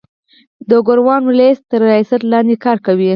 د کورن والیس تر ریاست لاندي کار کوي.